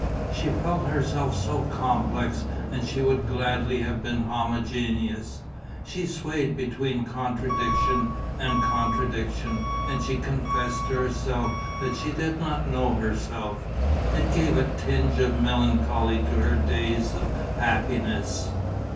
She felt herself so complex and she would gladly have been homogeneous. She swayed between contradiction and contradiction and she confessed to herself that she did not know herself. It gave a tinge of melancholy to her days of happiness.